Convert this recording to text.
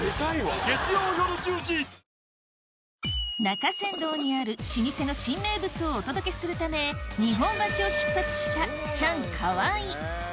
中山道にある老舗の新名物をお届けするため日本橋を出発したチャンカワイ